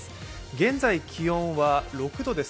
現在気温は６度です。